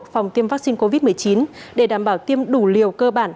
phòng tiêm vaccine covid một mươi chín để đảm bảo tiêm đủ liều cơ bản